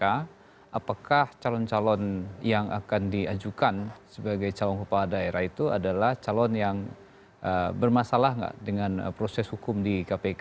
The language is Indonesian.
apakah calon calon yang akan diajukan sebagai calon kepala daerah itu adalah calon yang bermasalah nggak dengan proses hukum di kpk